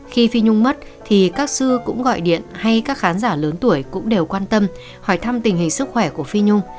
khi phi nhung mất thì các sư cũng gọi điện hay các khán giả lớn tuổi cũng đều quan tâm hỏi thăm tình hình sức khỏe của phi nhung